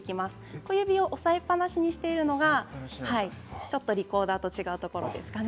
小指を押さえっぱなしにしているのがリコーダーと違うところでしょうかね。